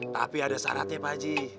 tapi ada syaratnya pak haji